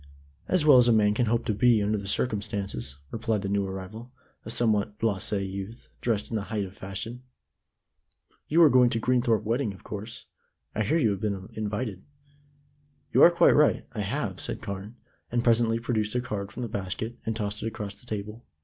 "As well as a man can hope to be under the circumstances," replied the new arrival, a somewhat blasé youth, dressed in the height of fashion. "You are going to the Greenthorpe wedding, of course. I hear you have been invited." "You are quite right; I have," said Carne, and presently produced a card from the basket, and tossed it across the table.